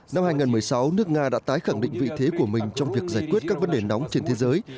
năm hai nghìn một mươi sáu nước nga đã tái khẳng định vị thế của mình trong việc giải quyết các vấn đề nóng trên thế giới